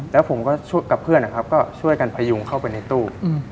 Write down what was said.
แล้วผมกับเพื่อนก็ช่วยกันพยุงเข้าไปในตู้